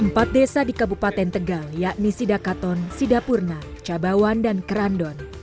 empat desa di kabupaten tegal yakni sidakaton sidapurna cabawan dan kerandon